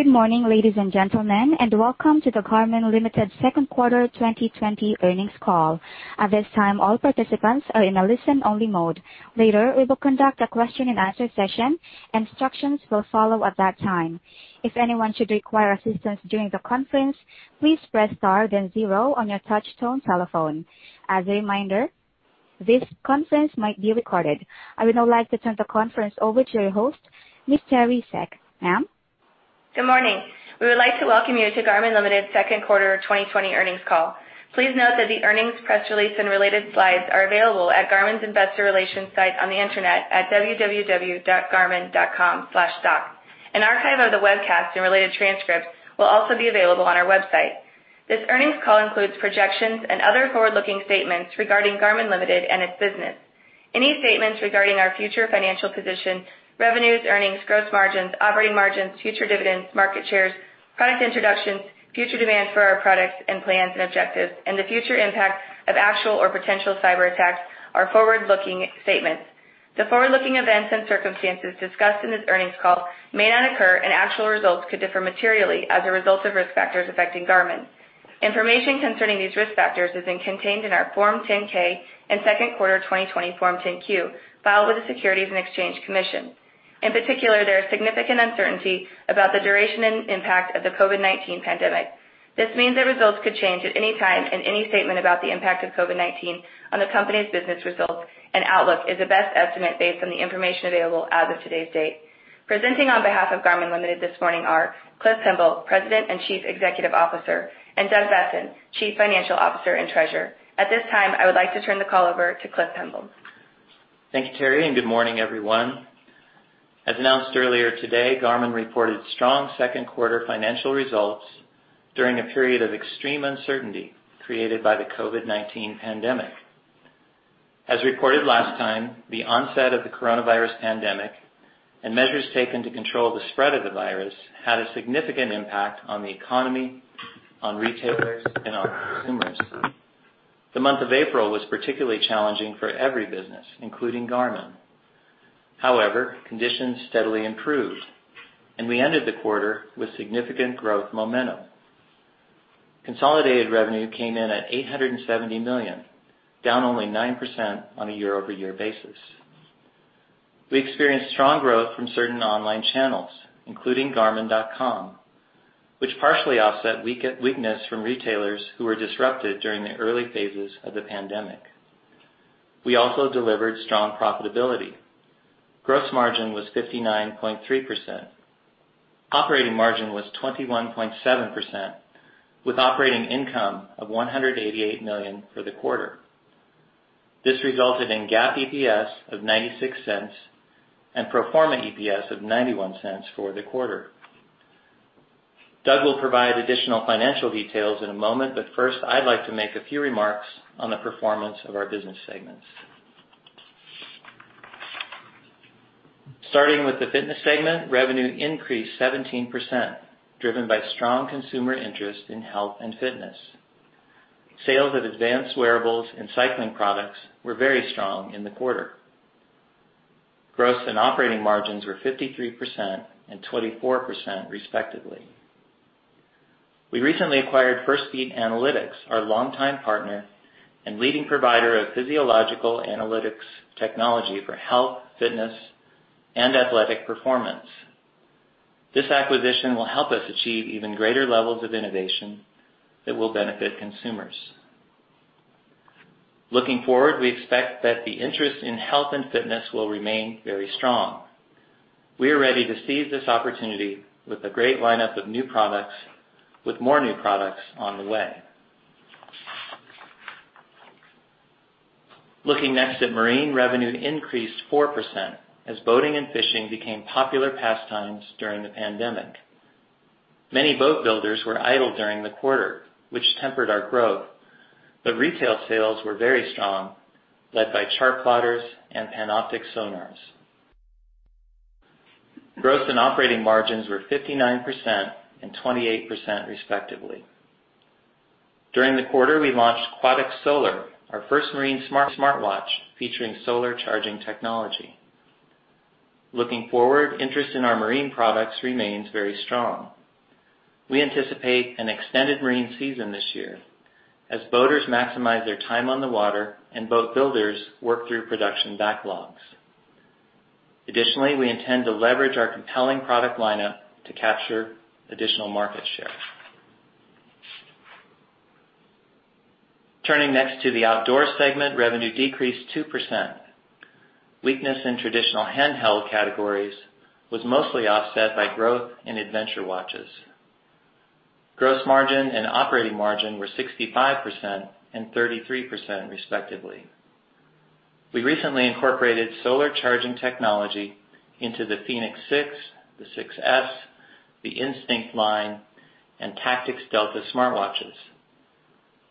Good morning, ladies and gentlemen, and welcome to the Garmin Ltd. Second Quarter 2020 Earnings Call. At this time, all participants are in a listen-only mode. Later, we will conduct a question and answer session. Instructions will follow at that time. If anyone should require assistance during the conference, please press star then zero on your touchtone telephone. As a reminder, this conference might be recorded. I would now like to turn the conference over to your host, Ms. Teri Seck. Ma'am. Good morning. We would like to welcome you to Garmin Ltd.'s Second Quarter 2020 Earnings Call. Please note that the earnings press release and related slides are available at Garmin's investor relations site on the internet at www.garmin.com/stock. An archive of the webcast and related transcripts will also be available on our website. This earnings call includes projections and other forward-looking statements regarding Garmin Ltd. and its business. Any statements regarding our future financial position, revenues, earnings, gross margins, operating margins, future dividends, market shares, product introductions, future demand for our products, and plans and objectives, and the future impact of actual or potential cyber attacks are forward-looking statements. The forward-looking events and circumstances discussed in this earnings call may not occur, and actual results could differ materially as a result of risk factors affecting Garmin. Information concerning these risk factors has been contained in our Form 10-K and second quarter 2020 Form 10-Q filed with the Securities and Exchange Commission. In particular, there is significant uncertainty about the duration and impact of the COVID-19 pandemic. This means that results could change at any time, and any statement about the impact of COVID-19 on the company's business results and outlook is a best estimate based on the information available as of today's date. Presenting on behalf of Garmin Ltd. this morning are Cliff Pemble, President and Chief Executive Officer, and Doug Boessen, Chief Financial Officer and Treasurer. At this time, I would like to turn the call over to Cliff Pemble. Thank you, Teri, and good morning, everyone. As announced earlier today, Garmin reported strong second quarter financial results during a period of extreme uncertainty created by the COVID-19 pandemic. As reported last time, the onset of the coronavirus pandemic and measures taken to control the spread of the virus had a significant impact on the economy, on retailers, and on consumers. The month of April was particularly challenging for every business, including Garmin. Conditions steadily improved, and we ended the quarter with significant growth momentum. Consolidated revenue came in at $870 million, down only 9% on a year-over-year basis. We experienced strong growth from certain online channels, including garmin.com, which partially offset weakness from retailers who were disrupted during the early phases of the pandemic. We also delivered strong profitability. Gross margin was 59.3%. Operating margin was 21.7%, with operating income of $188 million for the quarter. This resulted in GAAP EPS of $0.96 and pro forma EPS of $0.91 for the quarter. Doug will provide additional financial details in a moment. First, I'd like to make a few remarks on the performance of our business segments. Starting with the fitness segment, revenue increased 17%, driven by strong consumer interest in health and fitness. Sales of advanced wearables and cycling products were very strong in the quarter. Gross and operating margins were 53% and 24%, respectively. We recently acquired Firstbeat Analytics, our longtime partner and leading provider of physiological analytics technology for health, fitness, and athletic performance. This acquisition will help us achieve even greater levels of innovation that will benefit consumers. Looking forward, we expect that the interest in health and fitness will remain very strong. We are ready to seize this opportunity with a great lineup of new products, with more new products on the way. Looking next at marine, revenue increased 4% as boating and fishing became popular pastimes during the pandemic. Many boat builders were idle during the quarter, which tempered our growth. Retail sales were very strong, led by chartplotters and Panoptix sonars. Gross and operating margins were 59% and 28%, respectively. During the quarter, we launched quatix Solar, our first marine smartwatch featuring solar charging technology. Looking forward, interest in our marine products remains very strong. We anticipate an extended marine season this year as boaters maximize their time on the water and boat builders work through production backlogs. Additionally, we intend to leverage our compelling product lineup to capture additional market share. Turning next to the outdoor segment, revenue decreased 2%. Weakness in traditional handheld categories was mostly offset by growth in adventure watches. Gross margin and operating margin were 65% and 33%, respectively. We recently incorporated solar charging technology into the fēnix 6, the 6S, the Instinct line, and tactix Delta smartwatches.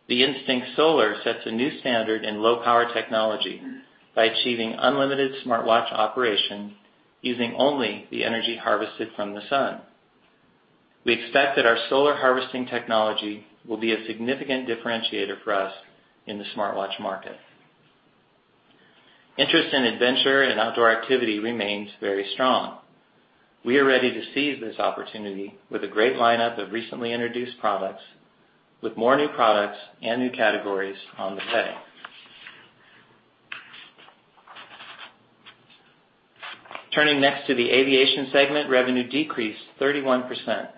The Instinct Solar sets a new standard in low-power technology by achieving unlimited smartwatch operation using only the energy harvested from the sun. We expect that our solar harvesting technology will be a significant differentiator for us in the smartwatch market. Interest in adventure and outdoor activity remains very strong. We are ready to seize this opportunity with a great lineup of recently introduced products, with more new products and new categories on the way. Turning next to the aviation segment, revenue decreased 31%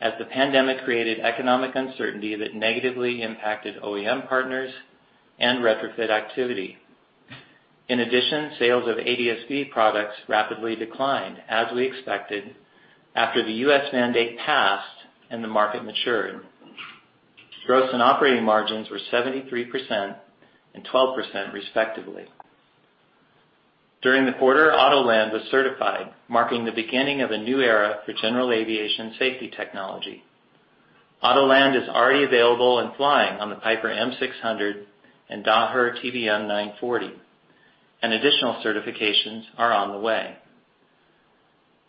as the pandemic created economic uncertainty that negatively impacted OEM partners and retrofit activity. In addition, sales of ADS-B products rapidly declined, as we expected, after the U.S. mandate passed and the market matured. Gross and operating margins were 73% and 12%, respectively. During the quarter, Autoland was certified, marking the beginning of a new era for general aviation safety technology. Autoland is already available and flying on the Piper M600 and Daher TBM 940, and additional certifications are on the way.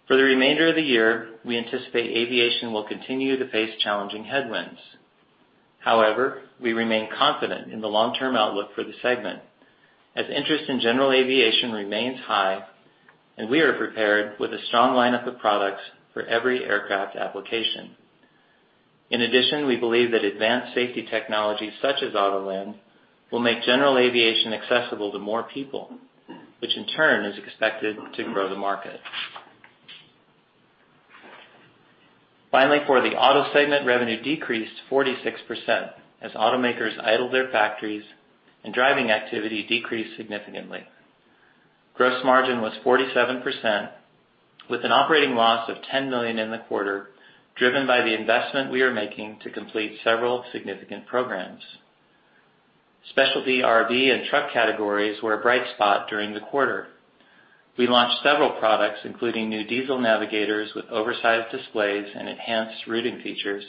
For the remainder of the year, we anticipate aviation will continue to face challenging headwinds. We remain confident in the long-term outlook for the segment, as interest in general aviation remains high, and we are prepared with a strong lineup of products for every aircraft application. We believe that advanced safety technologies such as Autoland will make general aviation accessible to more people, which in turn is expected to grow the market. For the Auto segment, revenue decreased 46% as automakers idled their factories and driving activity decreased significantly. Gross margin was 47%, with an operating loss of $10 million in the quarter, driven by the investment we are making to complete several significant programs. Specialty RV and truck categories were a bright spot during the quarter. We launched several products, including new diesel navigators with oversized displays and enhanced routing features,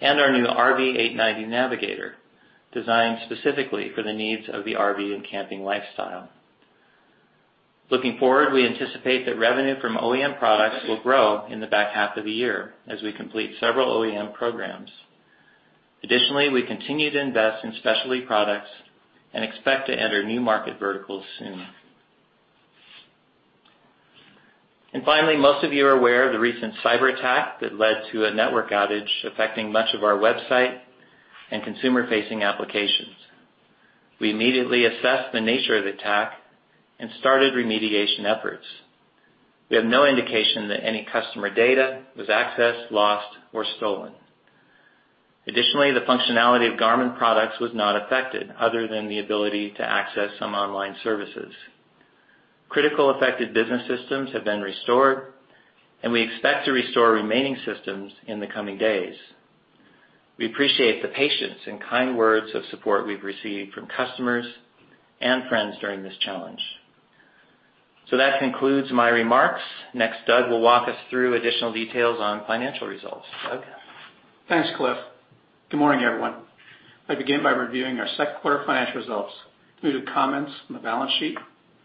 and our new RV 890 Navigator, designed specifically for the needs of the RV and camping lifestyle. We anticipate that revenue from OEM products will grow in the back half of the year as we complete several OEM programs. We continue to invest in specialty products and expect to enter new market verticals soon. Finally, most of you are aware of the recent cyberattack that led to a network outage affecting much of our website and consumer-facing applications. We immediately assessed the nature of the attack and started remediation efforts. We have no indication that any customer data was accessed, lost, or stolen. Additionally, the functionality of Garmin products was not affected, other than the ability to access some online services. Critical affected business systems have been restored. We expect to restore remaining systems in the coming days. We appreciate the patience and kind words of support we've received from customers and friends during this challenge. That concludes my remarks. Next, Doug will walk us through additional details on financial results. Doug? Thanks, Cliff. Good morning, everyone. I begin by reviewing our second quarter financial results, including comments on the balance sheet,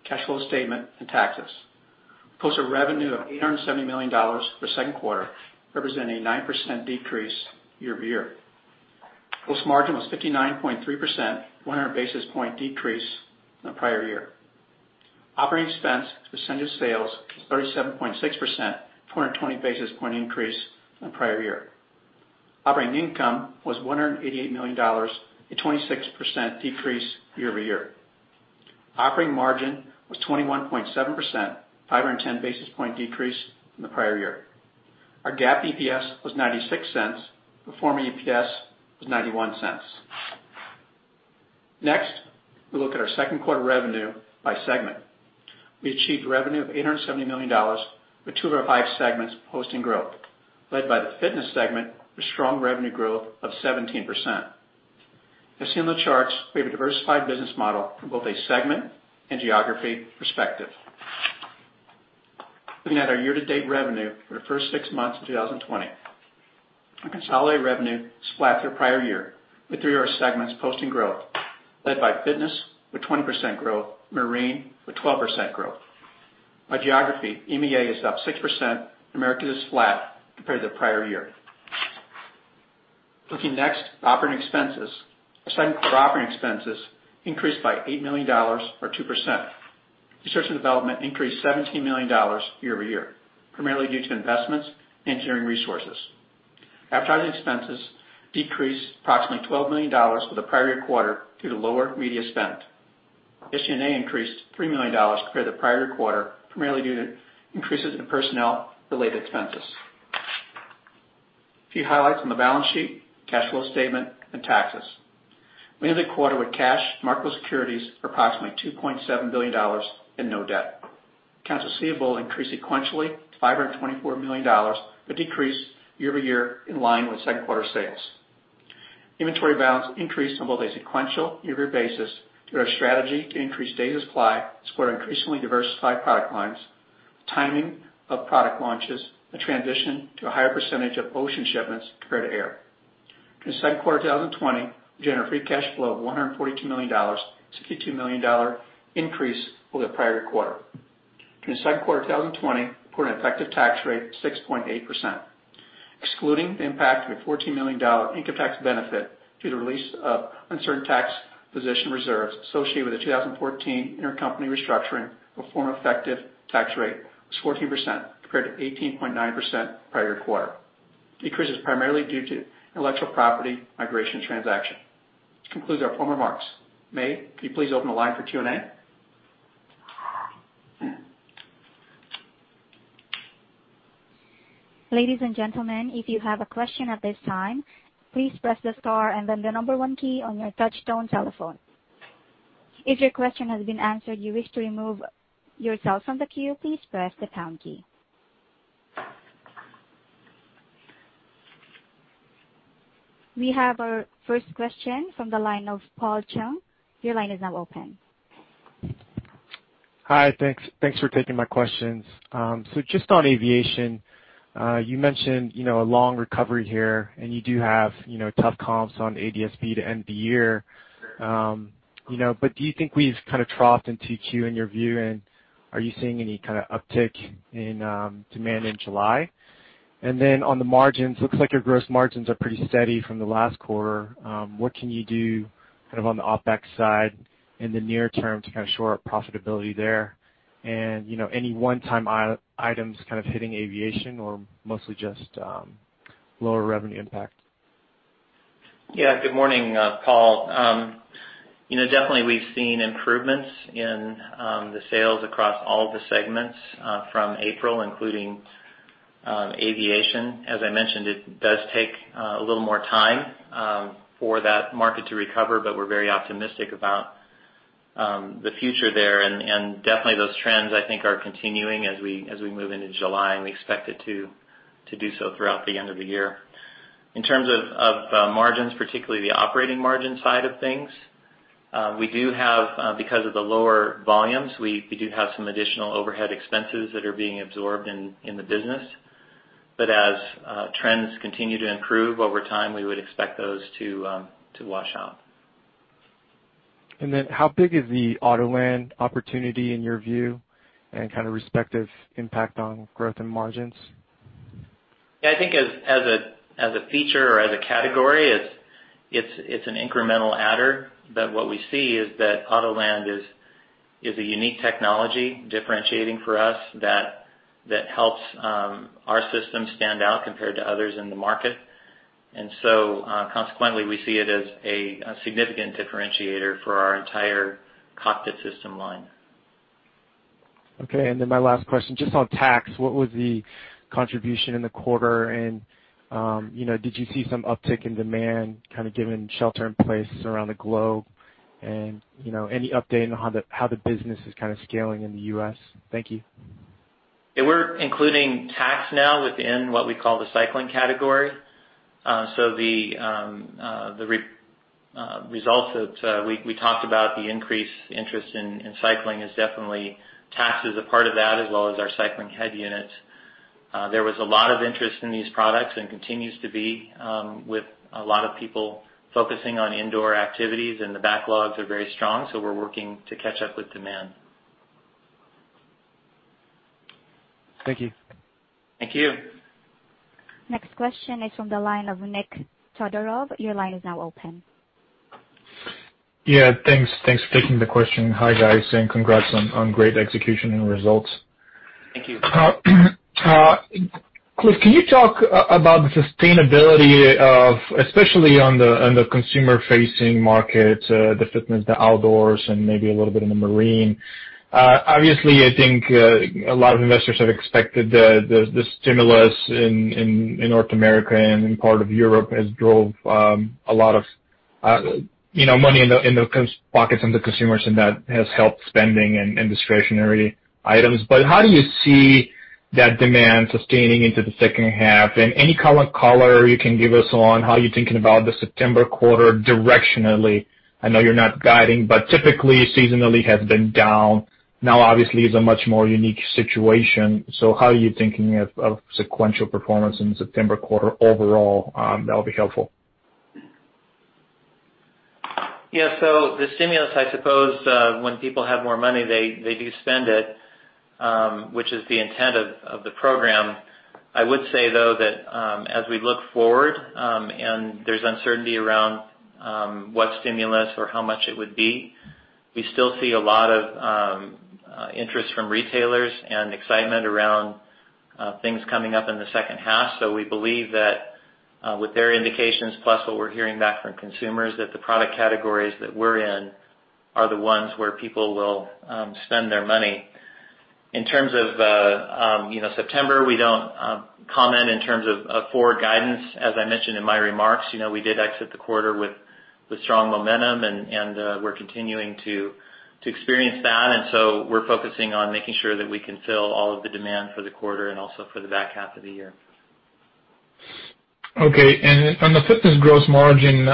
cash flow statement and taxes. Post a revenue of $870 million for second quarter, representing 9% decrease year-over-year. Gross margin was 59.3%, 100 basis point decrease from the prior year. Operating expense as a percent of sales was 37.6%, 220 basis point increase from the prior year. Operating income was $188 million, a 26% decrease year-over-year. Operating margin was 21.7%, 510 basis point decrease from the prior year. Our GAAP EPS was $0.96. Pro forma EPS was $0.91. We'll look at our second quarter revenue by segment. We achieved revenue of $870 million, with two of our five segments posting growth, led by the fitness segment with strong revenue growth of 17%. As seen on the charts, we have a diversified business model from both a segment and geography perspective. Looking at our year-to-date revenue for the first six months of 2020. Our consolidated revenue was flat to the prior year, with three of our segments posting growth, led by fitness with 20% growth, marine with 12% growth. By geography, EMEA is up 6%, America is flat compared to the prior year. Looking next, operating expenses. Our second quarter operating expenses increased by $8 million, or 2%. Research and development increased $17 million year-over-year, primarily due to investments in engineering resources. Advertising expenses decreased approximately $12 million for the prior quarter due to lower media spend. SG&A increased $3 million compared to the prior quarter, primarily due to increases in personnel-related expenses. A few highlights on the balance sheet, cash flow statement and taxes. We ended the quarter with cash, marketable securities, approximately $2.7 billion and no debt. Accounts receivable increased sequentially to $524 million, decreased year-over-year in line with second quarter sales. Inventory balance increased on both a sequential year-over-year basis due to our strategy to increase day supply for our increasingly diversified product lines, timing of product launches, a transition to a higher percentage of ocean shipments compared to air. During the second quarter of 2020, we generated free cash flow of $142 million, a $62 million increase over the prior quarter. During the second quarter of 2020, we put an effective tax rate of 6.8%. Excluding the impact of a $14 million income tax benefit due to the release of uncertain tax position reserves associated with the 2014 intercompany restructuring, our form effective tax rate was 14% compared to 18.9% prior quarter. Increase is primarily due to intellectual property migration transaction. This concludes our formal remarks. May, could you please open the line for Q&A? Ladies and gentlemen, if you have a question at this time, please press the star and then the number one key on your touch-tone telephone. If your question has been answered, you wish to remove yourself from the queue, please press the pound key. We have our first question from the line of Paul Chung. Your line is now open. Hi. Thanks for taking my questions. Just on aviation, you mentioned a long recovery here, and you do have tough comps on ADS-B to end the year. Do you think we've kind of troughed in 2Q in your view, and are you seeing any kind of uptick in demand in July? On the margins, looks like your gross margins are pretty steady from the last quarter. What can you do on the OpEx side in the near-term to shore up profitability there? Any one-time items kind of hitting aviation or mostly just lower revenue impact? Yeah. Good morning, Paul. Definitely we've seen improvements in the sales across all the segments from April, including aviation. As I mentioned, it does take a little more time for that market to recover. We're very optimistic about the future there. Definitely those trends, I think, are continuing as we move into July, and we expect it to do so throughout the end of the year. In terms of margins, particularly the operating margin side of things, because of the lower volumes, we do have some additional overhead expenses that are being absorbed in the business. As trends continue to improve over time, we would expect those to wash out. How big is the Autoland opportunity in your view and kind of respective impact on growth and margins? I think as a feature or as a category, it's an incremental adder. What we see is that Autoland is a unique technology differentiating for us that helps our system stand out compared to others in the market. Consequently, we see it as a significant differentiator for our entire cockpit system line. Okay, my last question, just on Tacx, what was the contribution in the quarter, and did you see some uptick in demand kind of given shelter in place around the globe? Any update on how the business is kind of scaling in the U.S.? Thank you. We're including Tacx now within what we call the cycling category. The results that we talked about, the increased interest in cycling, is definitely Tacx is a part of that, as well as our cycling head units. There was a lot of interest in these products and continues to be with a lot of people focusing on indoor activities, and the backlogs are very strong, so we're working to catch up with demand. Thank you. Thank you. Next question is from the line of Nik Todorov. Your line is now open. Yeah. Thanks for taking the question. Hi, guys, congrats on great execution and results. Thank you. Cliff, can you talk about the sustainability of, especially on the consumer-facing market, the fitness, the outdoors, and maybe a little bit in the marine? Obviously, I think a lot of investors have expected the stimulus in North America and in part of Europe has drove a lot of money in the pockets of the consumers, and that has helped spending and discretionary items. How do you see that demand sustaining into the second half? Any kind of color you can give us on how you're thinking about the September quarter directionally? I know you're not guiding, but typically, seasonally has been down. Now, obviously, it's a much more unique situation. How are you thinking of sequential performance in the September quarter overall? That'll be helpful. The stimulus, I suppose when people have more money, they do spend it, which is the intent of the program. I would say, though, that as we look forward, and there's uncertainty around what stimulus or how much it would be, we still see a lot of interest from retailers and excitement around things coming up in the second half. We believe that with their indications, plus what we're hearing back from consumers, that the product categories that we're in are the ones where people will spend their money. In terms of September, we don't comment in terms of forward guidance. As I mentioned in my remarks, we did exit the quarter with strong momentum, and we're continuing to experience that. We're focusing on making sure that we can fill all of the demand for the quarter and also for the back half of the year. Okay. On the fitness gross margin,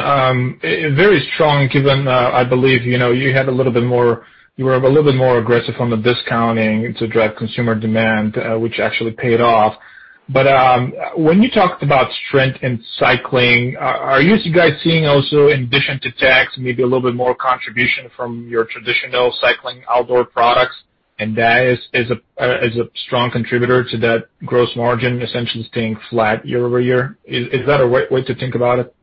very strong given, I believe, you were a little bit more aggressive on the discounting to drive consumer demand, which actually paid off. When you talked about strength in cycling, are you guys seeing also in addition to Tacx, maybe a little bit more contribution from your traditional cycling outdoor products? That is a strong contributor to that gross margin essentially staying flat year-over-year? Is that a right way to think about it?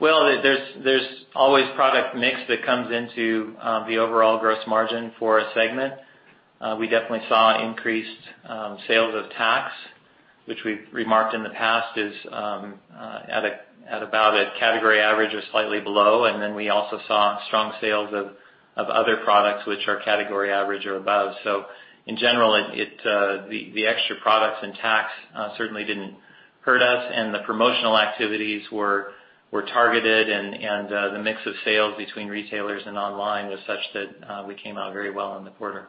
Well, there's always product mix that comes into the overall gross margin for a segment. We definitely saw increased sales of Tacx, which we've remarked in the past is at about a category average or slightly below. Then we also saw strong sales of other products which are category average or above. In general, the extra products and Tacx certainly didn't hurt us, and the promotional activities were targeted, and the mix of sales between retailers and online was such that we came out very well in the quarter.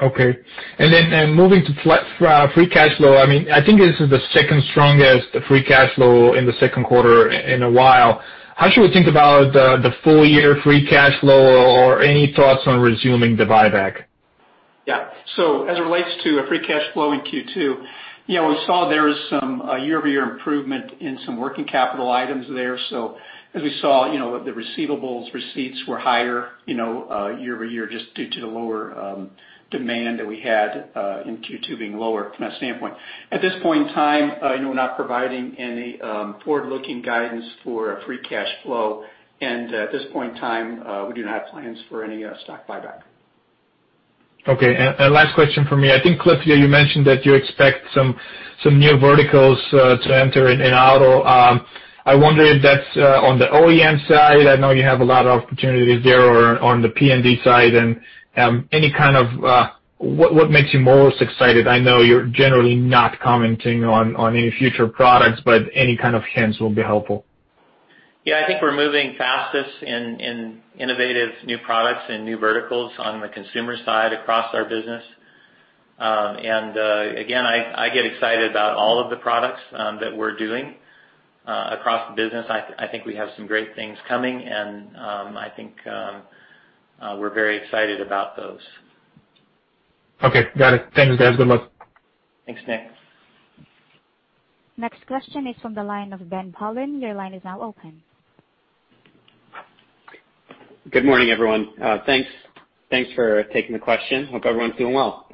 Moving to free cash flow. I think this is the second strongest free cash flow in the second quarter in a while. How should we think about the full year free cash flow? Any thoughts on resuming the buyback? Yeah. As it relates to free cash flow in Q2, we saw there was some year-over-year improvement in some working capital items there. As we saw, the receivables receipts were higher year-over-year just due to the lower demand that we had in Q2 being lower from that standpoint. At this point in time, we're not providing any forward-looking guidance for free cash flow. At this point in time, we do not have plans for any stock buyback. Okay. Last question for me. I think, Cliff, you mentioned that you expect some new verticals to enter in auto. I wonder if that's on the OEM side. I know you have a lot of opportunities there or on the PND side. What makes you most excited? I know you're generally not commenting on any future products, but any kind of hints will be helpful. I think we're moving fastest in innovative new products and new verticals on the consumer side across our business. Again, I get excited about all of the products that we're doing across the business. I think we have some great things coming, and I think we're very excited about those. Okay. Got it. Thanks, guys. Good luck. Thanks, Nik. Next question is from the line of Ben Bollin. Your line is now open. Good morning, everyone. Thanks for taking the question. Hope everyone's doing well.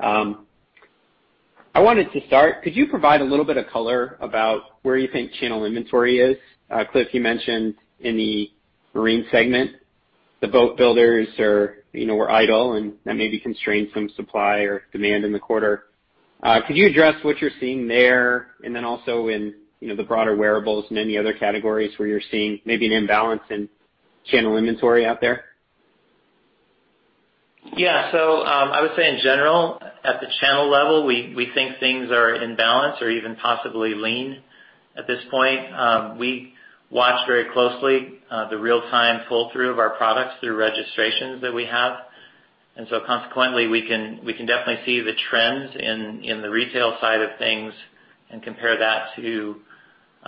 I wanted to start, could you provide a little bit of color about where you think channel inventory is? Cliff, you mentioned in the Marine segment, the boat builders were idle, and that maybe constrained some supply or demand in the quarter. Could you address what you're seeing there? Also in the broader wearables and any other categories where you're seeing maybe an imbalance in channel inventory out there? Yeah. I would say in general, at the channel level, we think things are in balance or even possibly lean at this point. We watch very closely the real-time pull-through of our products through registrations that we have. Consequently, we can definitely see the trends in the retail side of things and compare that to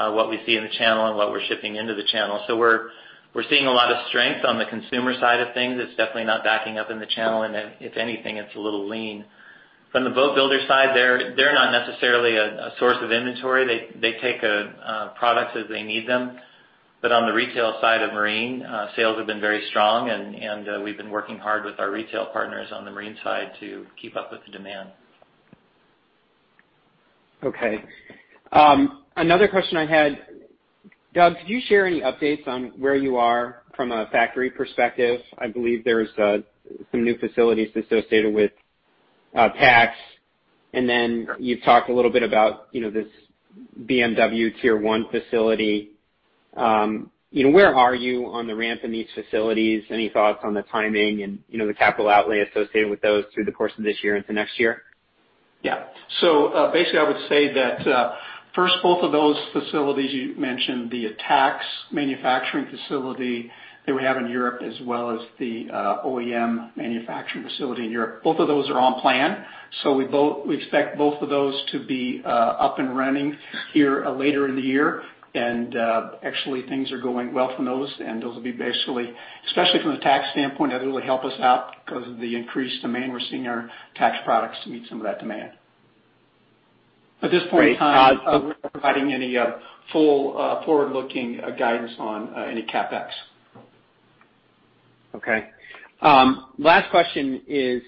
what we see in the channel and what we're shipping into the channel. We're seeing a lot of strength on the consumer side of things. It's definitely not backing up in the channel, and if anything, it's a little lean. From the boat builder side, they're not necessarily a source of inventory. They take products as they need them. On the retail side of marine, sales have been very strong, and we've been working hard with our retail partners on the marine side to keep up with the demand. Okay. Another question I had. Doug, could you share any updates on where you are from a factory perspective? I believe there's some new facilities associated with Tacx, then you've talked a little bit about this BMW Tier 1 facility. Where are you on the ramp in these facilities? Any thoughts on the timing and the capital outlay associated with those through the course of this year into next year? Basically, I would say that first both of those facilities you mentioned, the Tacx manufacturing facility that we have in Europe as well as the OEM manufacturing facility in Europe, both of those are on plan. We expect both of those to be up and running here later in the year. Actually, things are going well from those, and those will be basically, especially from the Tacx standpoint, that will help us out because of the increased demand we're seeing our Tacx products to meet some of that demand. At this point in time, we're not providing any full forward-looking guidance on any CapEx. Okay. Last question is,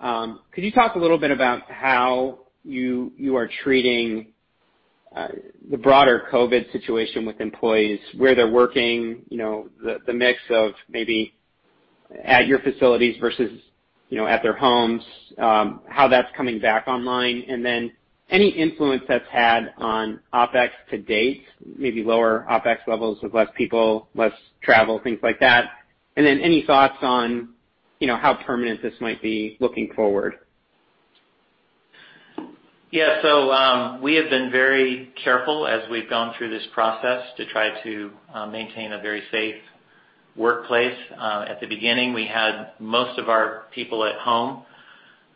could you talk a little bit about how you are treating the broader COVID situation with employees, where they're working, the mix of maybe at your facilities versus at their homes, how that's coming back online? Any influence that's had on OpEx-to-date, maybe lower OpEx levels with less people, less travel, things like that? Any thoughts on how permanent this might be looking forward? We have been very careful as we've gone through this process to try to maintain a very safe workplace. At the beginning, we had most of our people at home.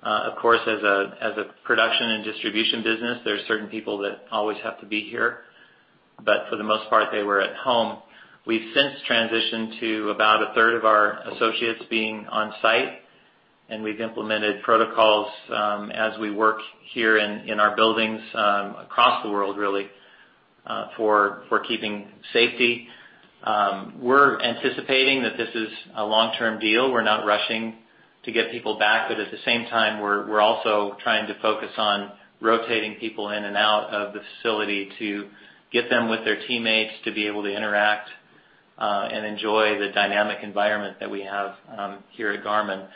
Of course, as a production and distribution business, there's certain people that always have to be here. For the most part, they were at home. We've since transitioned to about a third of our associates being on-site, and we've implemented protocols as we work here in our buildings across the world really, for keeping safety. We're anticipating that this is a long-term deal. We're not rushing to get people back. At the same time, we're also trying to focus on rotating people in and out of the facility to get them with their teammates, to be able to interact and enjoy the dynamic environment that we have here at Garmin.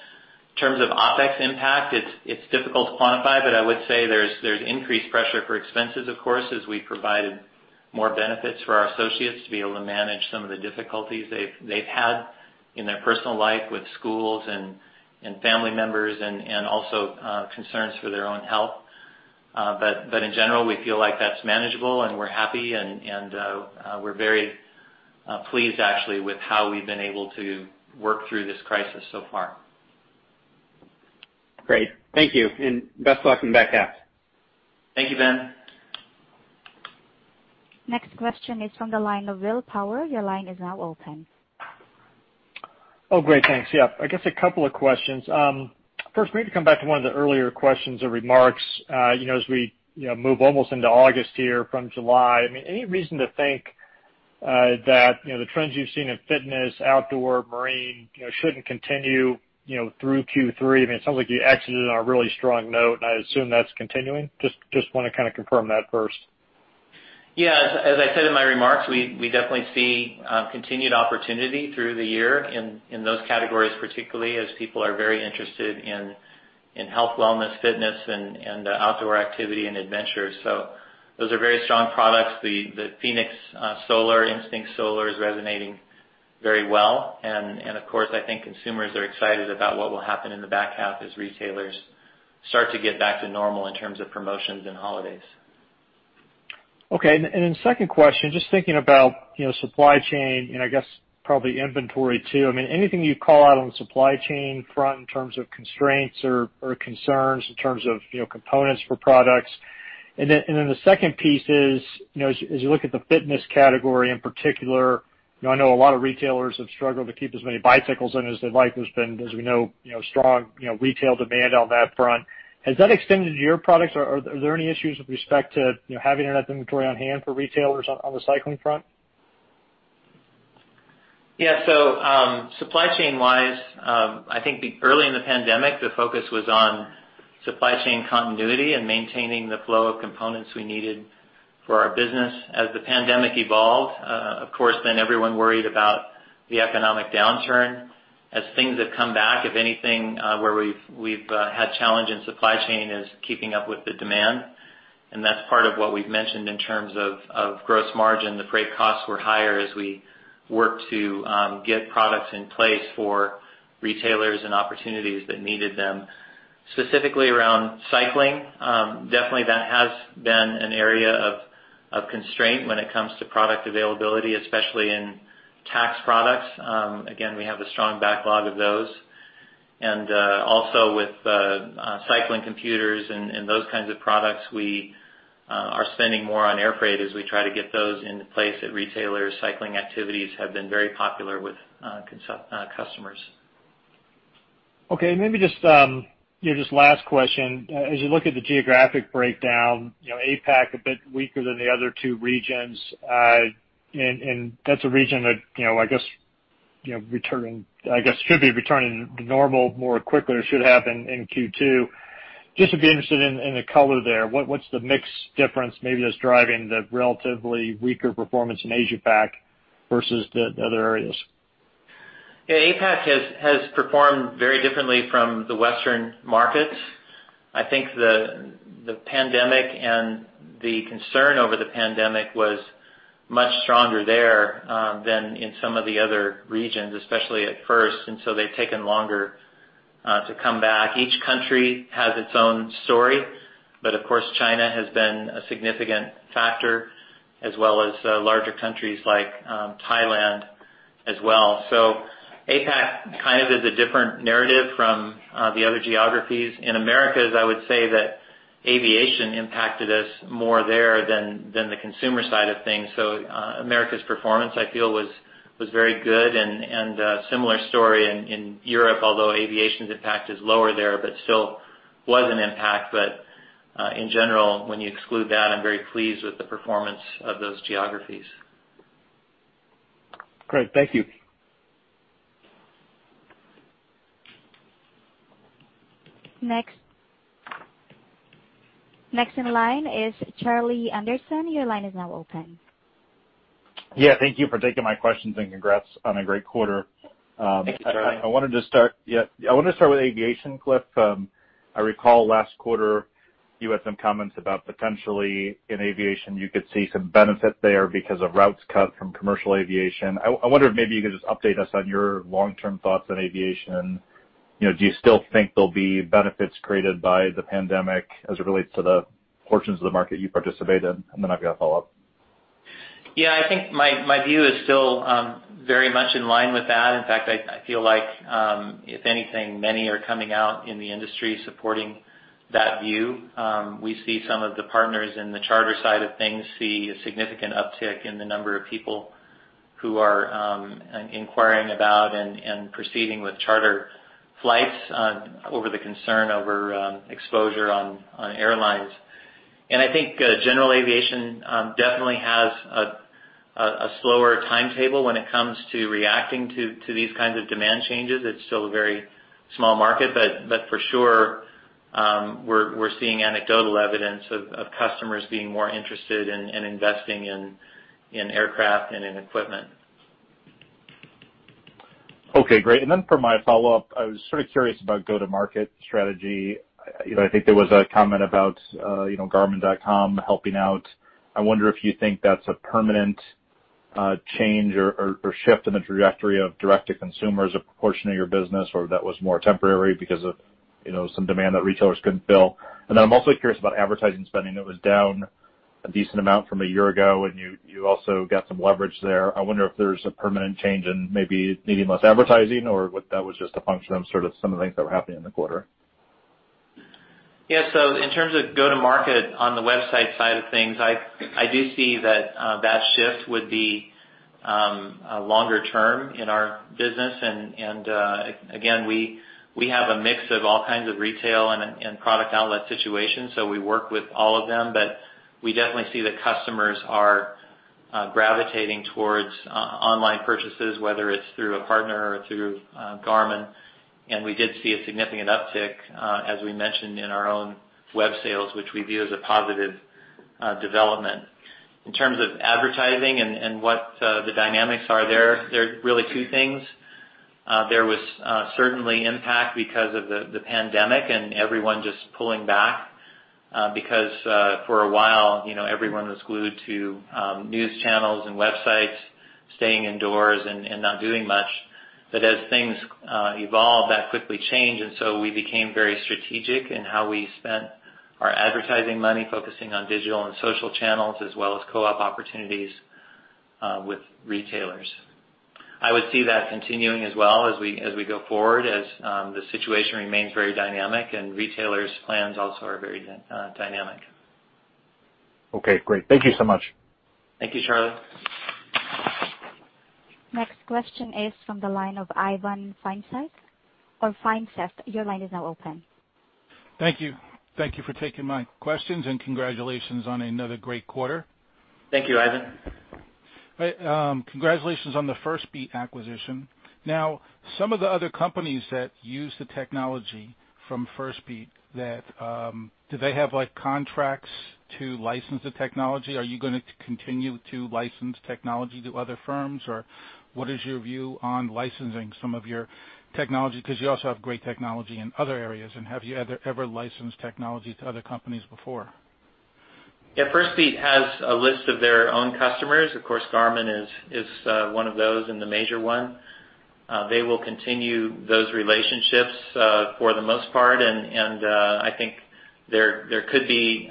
In terms of OpEx impact, it's difficult to quantify, but I would say there's increased pressure for expenses, of course, as we provided more benefits for our associates to be able to manage some of the difficulties they've had in their personal life with schools and family members, and also concerns for their own health. In general, we feel like that's manageable, and we're happy, and we're very pleased, actually, with how we've been able to work through this crisis so far. Great. Thank you, and best luck in the back half. Thank you, Ben. Next question is from the line of Will Power. Your line is now open. Great. Thanks. Yeah. I guess a couple of questions. First, maybe to come back to one of the earlier questions or remarks, as we move almost into August here from July, any reason to think that the trends you've seen in fitness, outdoor, marine, shouldn't continue through Q3? It sounds like you exited on a really strong note, and I assume that's continuing. I just want to kind of confirm that first. Yeah. As I said in my remarks, we definitely see continued opportunity through the year in those categories, particularly as people are very interested in health, wellness, fitness, and outdoor activity and adventure. Those are very strong products. The fenix Solar, Instinct Solar is resonating very well. Of course, I think consumers are excited about what will happen in the back half as retailers start to get back to normal in terms of promotions and holidays. Okay. Second question, just thinking about supply chain and I guess probably inventory too. Anything you'd call out on the supply chain front in terms of constraints or concerns in terms of components for products? The second piece is, as you look at the fitness category in particular, I know a lot of retailers have struggled to keep as many bicycles in as they'd like. There's been, as we know, strong retail demand on that front. Has that extended to your products? Are there any issues with respect to having enough inventory on hand for retailers on the cycling front? Supply chain-wise, I think early in the pandemic, the focus was on supply chain continuity and maintaining the flow of components we needed for our business. As the pandemic evolved, of course, everyone worried about the economic downturn. As things have come back, if anything, where we've had challenge in supply chain is keeping up with the demand, and that's part of what we've mentioned in terms of gross margin. The freight costs were higher as we worked to get products in place for retailers and opportunities that needed them. Specifically around cycling, definitely that has been an area of constraint when it comes to product availability, especially in Tacx products. We have a strong backlog of those. Also with cycling computers and those kinds of products, we are spending more on air freight as we try to get those into place at retailers. Cycling activities have been very popular with customers. Okay. Maybe just last question. As you look at the geographic breakdown, APAC a bit weaker than the other two regions. That's a region that I guess should be returning to normal more quickly, or should have in Q2. Just would be interested in the color there. What's the mix difference maybe that's driving the relatively weaker performance in APAC versus the other areas? Yeah. APAC has performed very differently from the Western markets. I think the pandemic and the concern over the pandemic was much stronger there than in some of the other regions, especially at first, they've taken longer to come back. Each country has its own story, of course, China has been a significant factor as well as larger countries like Thailand as well. APAC kind of is a different narrative from the other geographies. In Americas, I would say that aviation impacted us more there than the consumer side of things. America's performance, I feel, was very good and a similar story in Europe, although aviation's impact is lower there, but still was an impact. In general, when you exclude that, I'm very pleased with the performance of those geographies. Great. Thank you. Next in line is Charlie Anderson. Your line is now open. Yeah. Thank you for taking my questions, and congrats on a great quarter. Thank you, Charlie. I wanted to start with aviation, Cliff. I recall last quarter you had some comments about potentially in aviation, you could see some benefit there because of routes cut from commercial aviation. I wonder if maybe you could just update us on your long-term thoughts on aviation. Do you still think there'll be benefits created by the pandemic as it relates to the portions of the market you participate in? I've got a follow-up. Yeah. I think my view is still very much in line with that. In fact, I feel like, if anything, many are coming out in the industry supporting that view. We see some of the partners in the charter side of things see a significant uptick in the number of people who are inquiring about and proceeding with charter flights over the concern over exposure on airlines. I think general aviation definitely has a slower timetable when it comes to reacting to these kinds of demand changes. It's still a very small market, but for sure, we're seeing anecdotal evidence of customers being more interested in investing in aircraft and in equipment. Okay, great. For my follow-up, I was sort of curious about go-to-market strategy. I think there was a comment about garmin.com helping out. I wonder if you think that's a permanent change or shift in the trajectory of direct-to-consumer as a proportion of your business, or if that was more temporary because of some demand that retailers couldn't fill. I'm also curious about advertising spending. That was down a decent amount from a year ago, and you also got some leverage there. I wonder if there's a permanent change in maybe needing less advertising, or if that was just a function of some of the things that were happening in the quarter. Yeah. In terms of go to market on the website side of things, I do see that that shift would be longer-term in our business. Again, we have a mix of all kinds of retail and product outlet situations, so we work with all of them. We definitely see that customers are gravitating towards online purchases, whether it's through a partner or through Garmin. We did see a significant uptick, as we mentioned in our own web sales, which we view as a positive development. In terms of advertising and what the dynamics are there are really two things. There was certainly impact because of the pandemic and everyone just pulling back, because for a while, everyone was glued to news channels and websites, staying indoors and not doing much. As things evolved, that quickly changed, and so we became very strategic in how we spent our advertising money, focusing on digital and social channels, as well as co-op opportunities with retailers. I would see that continuing as well as we go forward, as the situation remains very dynamic and retailers' plans also are very dynamic. Okay, great. Thank you so much. Thank you, Charlie. Next question is from the line of Ivan Feinseth. Your line is now open. Thank you. Thank you for taking my questions, and congratulations on another great quarter. Thank you, Ivan. Right. Congratulations on the Firstbeat acquisition. Now, some of the other companies that use the technology from Firstbeat, do they have contracts to license the technology? Are you going to continue to license technology to other firms, or what is your view on licensing some of your technology? You also have great technology in other areas, and have you ever licensed technology to other companies before? Yeah. Firstbeat has a list of their own customers. Of course, Garmin is one of those and the major one. They will continue those relationships, for the most part, and I think there could be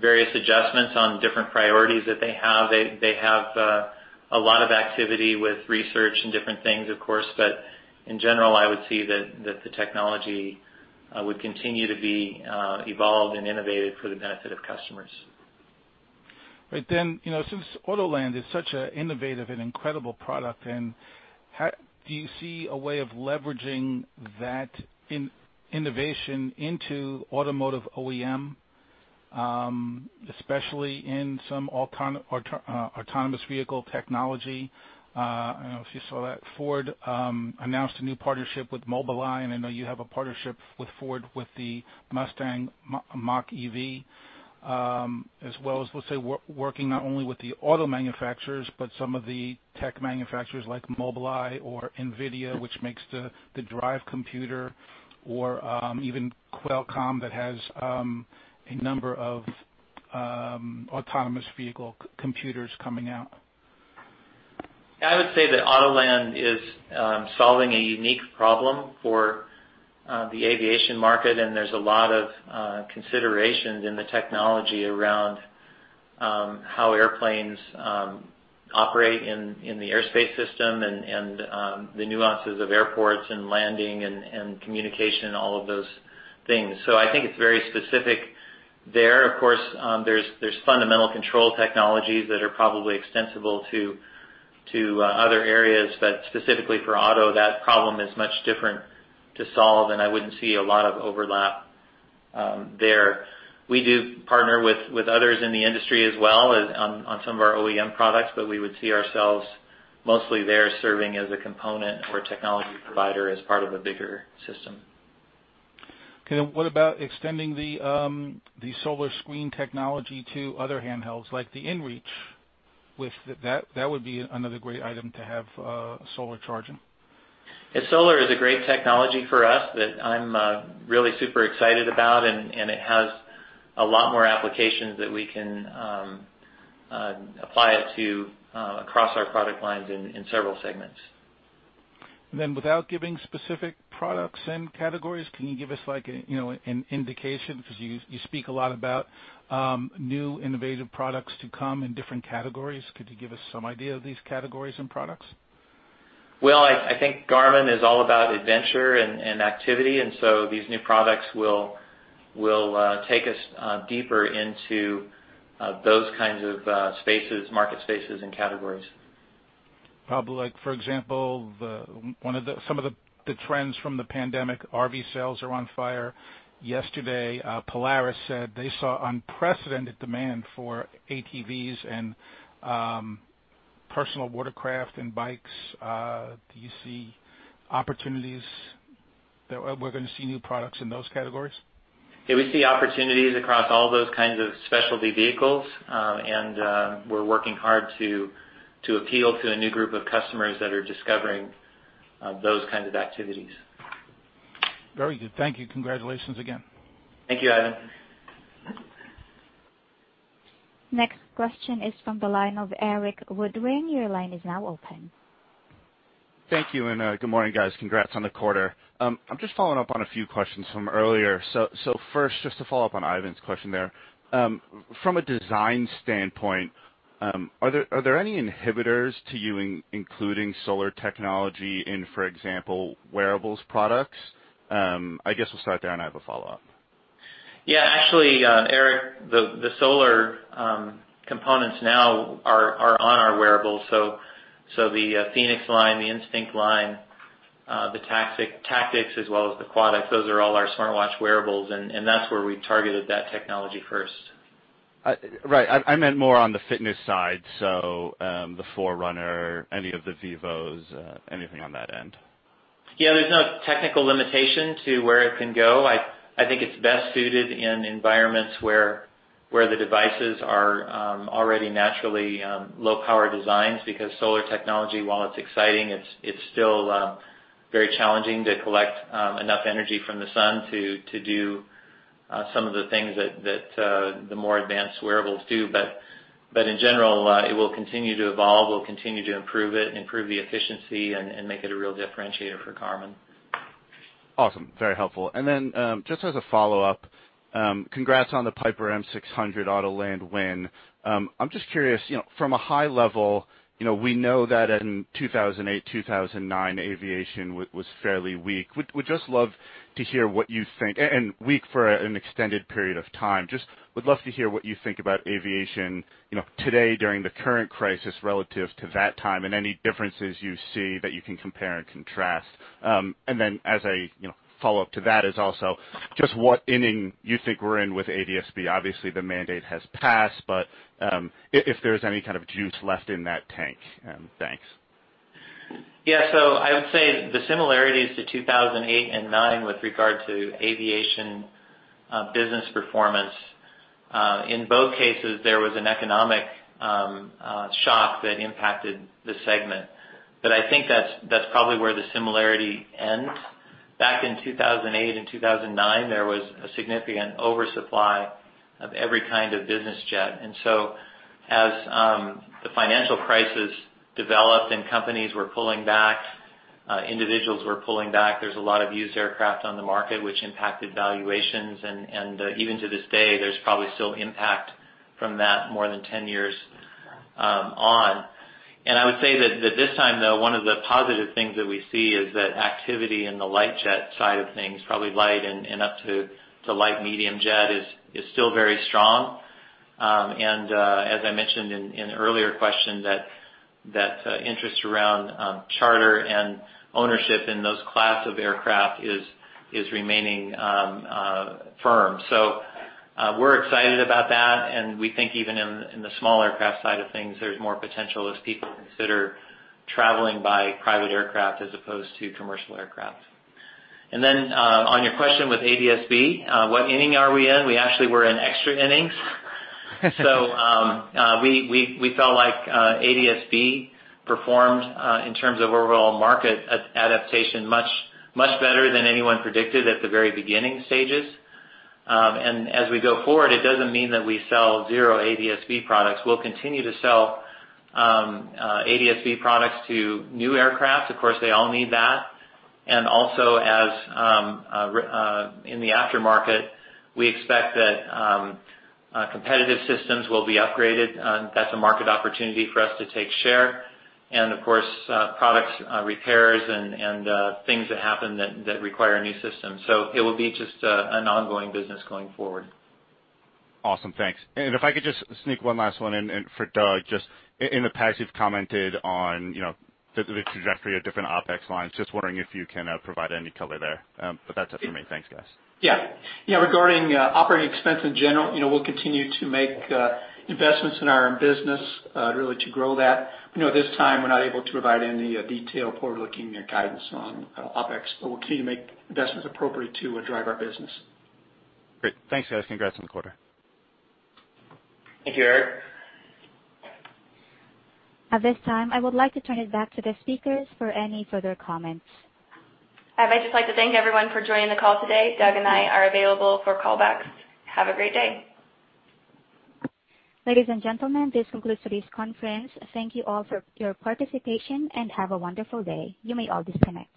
various adjustments on different priorities that they have. They have a lot of activity with research and different things, of course. In general, I would see that the technology would continue to be evolved and innovated for the benefit of customers. Right. Since Autoland is such an innovative and incredible product, do you see a way of leveraging that innovation into automotive OEM, especially in some autonomous vehicle technology? I don't know if you saw that Ford announced a new partnership with Mobileye, and I know you have a partnership with Ford with the Mustang Mach-E. As well as, let's say, working not only with the auto manufacturers, but some of the tech manufacturers like Mobileye or NVIDIA, which makes the drive computer, or even Qualcomm, that has a number of autonomous vehicle computers coming out. I would say that Autoland is solving a unique problem for the aviation market. There's a lot of considerations in the technology around how airplanes operate in the airspace system and the nuances of airports and landing and communication and all of those things. I think it's very specific there. Of course, there's fundamental control technologies that are probably extensible to other areas. Specifically for auto, that problem is much different to solve, and I wouldn't see a lot of overlap there. We do partner with others in the industry as well on some of our OEM products, but we would see ourselves mostly there serving as a component or technology provider as part of a bigger system. Okay. What about extending the solar screen technology to other handhelds, like the inReach? That would be another great item to have solar charging. Yeah. Solar is a great technology for us that I'm really super excited about. It has a lot more applications that we can apply it to across our product lines in several segments. Without giving specific products and categories, can you give us an indication? You speak a lot about new innovative products to come in different categories. Could you give us some idea of these categories and products? I think Garmin is all about adventure and activity, and so these new products will take us deeper into those kinds of market spaces and categories. Probably like, for example, some of the trends from the pandemic, RV sales are on fire. Yesterday, Polaris said they saw unprecedented demand for ATVs and personal watercraft and bikes. Do you see opportunities that we're going to see new products in those categories? Yeah, we see opportunities across all those kinds of specialty vehicles. We're working hard to appeal to a new group of customers that are discovering those kinds of activities. Very good. Thank you. Congratulations again. Thank you, Ivan. Next question is from the line of Erik Woodring. Your line is now open. Thank you. Good morning, guys. Congrats on the quarter. I'm just following up on a few questions from earlier. First, just to follow up on Ivan's question there. From a design standpoint, are there any inhibitors to you including solar technology in, for example, wearables products? I guess we'll start there, and I have a follow-up. Yeah. Actually, Erik, the solar components now are on our wearables. The fenix line, the Instinct line, the tactix, as well as the quatix, those are all our smartwatch wearables, and that's where we targeted that technology first. Right. I meant more on the fitness side. The Forerunner, any of the vívo, anything on that end. Yeah, there's no technical limitation to where it can go. I think it's best suited in environments where the devices are already naturally low-power designs. Solar technology, while it's exciting, it's still very challenging to collect enough energy from the sun to do some of the things that the more advanced wearables do. In general, it will continue to evolve. We'll continue to improve it and improve the efficiency and make it a real differentiator for Garmin. Awesome. Very helpful. Just as a follow-up, congrats on the Piper M600 Autoland win. I'm just curious, from a high level, we know that in 2008, 2009, aviation was fairly weak. Just would love to hear what you think about aviation today during the current crisis relative to that time and any differences you see that you can compare and contrast. As a follow-up to that is also just what inning you think we're in with ADS-B. Obviously, the mandate has passed, but if there's any kind of juice left in that tank. Thanks. Yeah. I would say the similarities to 2008 and 2009 with regard to aviation business performance, in both cases, there was an economic shock that impacted the segment. I think that's probably where the similarity ends. Back in 2008 and 2009, there was a significant oversupply of every kind of business jet. As the financial crisis developed and companies were pulling back, individuals were pulling back, there's a lot of used aircraft on the market, which impacted valuations. Even to this day, there's probably still impact from that more than 10 years on. I would say that this time, though, one of the positive things that we see is that activity in the light jet side of things, probably light and up to light medium jet is still very strong. As I mentioned in an earlier question, that interest around charter and ownership in those class of aircraft is remaining firm. We're excited about that, and we think even in the small aircraft side of things, there's more potential as people consider traveling by private aircraft as opposed to commercial aircraft. On your question with ADS-B, what inning are we in? We actually were in extra innings. We felt like ADS-B performed, in terms of overall market adaptation, much better than anyone predicted at the very beginning stages. As we go forward, it doesn't mean that we sell zero ADS-B products. We'll continue to sell ADS-B products to new aircraft. Of course, they all need that. Also as in the aftermarket, we expect that competitive systems will be upgraded. That's a market opportunity for us to take share and, of course, products repairs and things that happen that require a new system. It will be just an ongoing business going forward. Awesome. Thanks. If I could just sneak one last one in for Doug. Just in the past, you've commented on the trajectory of different OpEx lines. Just wondering if you can provide any color there. That's it for me. Thanks, guys. Yeah. Regarding operating expense in general, we'll continue to make investments in our own business really to grow that. This time, we're not able to provide any detail forward-looking guidance on OpEx, but we'll continue to make investments appropriate to drive our business. Great. Thanks, guys. Congrats on the quarter. Thank you, Erik. At this time, I would like to turn it back to the speakers for any further comments. I'd just like to thank everyone for joining the call today. Doug and I are available for callbacks. Have a great day. Ladies and gentlemen, this concludes today's conference. Thank you all for your participation, and have a wonderful day. You may all disconnect.